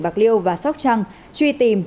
bạc liêu và sóc trăng truy tìm